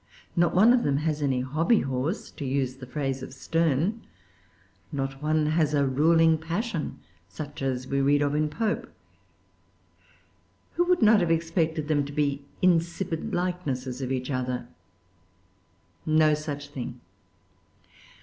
Not one of them has any hobbyhorse, to use the phrase of Sterne. Not one has a ruling passion, such as we read of in Pope. Who would not have expected them to be insipid likenesses of each other? No such thing.